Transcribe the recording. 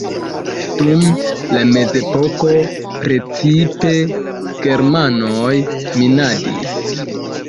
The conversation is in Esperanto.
Dum la mezepoko precipe germanoj minadis.